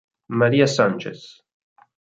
María Sánchez